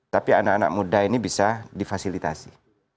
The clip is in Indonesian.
tapi anak anak muda ini bisa difasilitasi